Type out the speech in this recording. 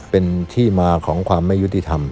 เป็นที่มาของความไม่ยุติธรรม